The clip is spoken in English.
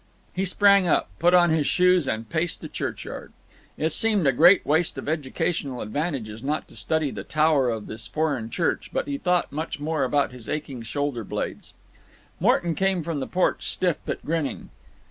He sprang up, put on his shoes, and paced the churchyard. It seemed a great waste of educational advantages not to study the tower of this foreign church, but he thought much more about his aching shoulder blades. Morton came from the porch stiff but grinning.